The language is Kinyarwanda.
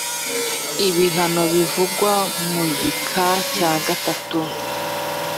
ibihano bivugwa mu gika cya gatatu